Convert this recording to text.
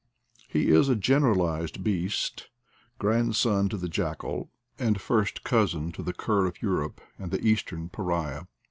He is a generalized beast, grandson to the jackal, and first cousin to the cur of Europe and the Eastern pariah.